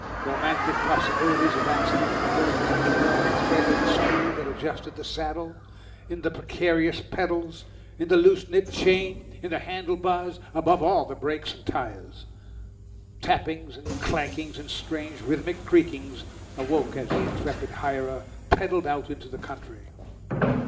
Romantic possibilities of accident lurked in the worn thread of the screw that adjusted the saddle, in the precarious pedals, in the loose knit chain, in the handle bars, above all in the brakes and tyres. Tappings and clankings and strange rhythmic creakings awoke as the intrepid hirer pedalled out into the country.